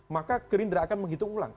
maka gerindra akan menghitung ulang